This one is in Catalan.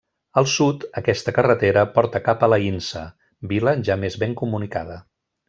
Al sud, aquesta carretera porta cap a l'Aïnsa, vila ja més ben comunicada.